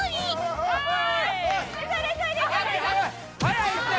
・速いって！